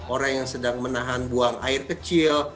orang yang sedang menahan buang air kecil